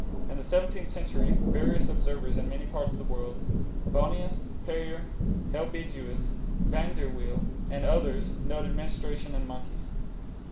In the seventeenth century various observers in many parts of the world Bohnius, Peyer, Helbigius, Van der Wiel, and others noted menstruation in monkeys.